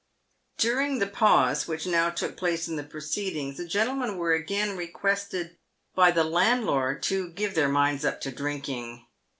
During the pause which now took place in the proceedings, the gentlemen were again requested by the landlord to " give their minds up to drinking."